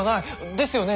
ですよね？